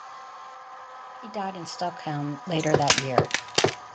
He died in Stockholm later that year.